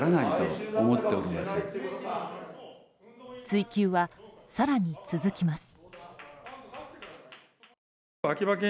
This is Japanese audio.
追及は更に続きます。